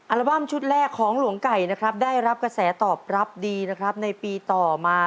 อัลบั้มชุดแรกของหลวงไก่ได้รับกระแสตอบรับดีในปีต่อมา